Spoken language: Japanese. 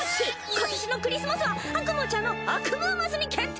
今年のクリスマスはアクムーちゃんのアクムーマスに決定！